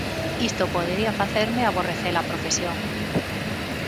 Isto podería facerme aborrece-la profesión.